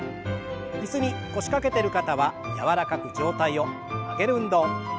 椅子に腰掛けてる方は柔らかく上体を曲げる運動。